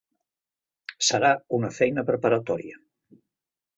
Serà una feina preparatòria.